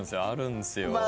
あるんすよ。